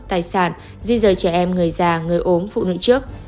tài sản di rời trẻ em người già người ốm phụ nữ trước